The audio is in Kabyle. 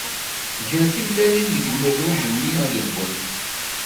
Ger timellalin deg mirruj-nni ad d-wwent.